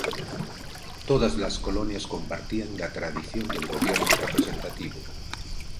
Todas las colonias compartían la tradición del gobierno representativo.